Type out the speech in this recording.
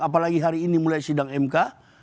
apalagi hari ini mulai sidang mk